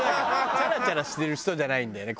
チャラチャラしてる人じゃないんだよね。